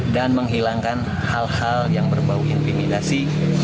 dan menghilangkan hal hal yang berbau intimidasi